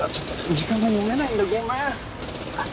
時間が読めないんだごめんあっ